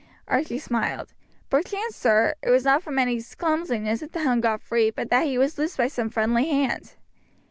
Archie smiled. "Perchance, sir, it was not from any clumsiness that the hound got free, but that he was loosed by some friendly hand."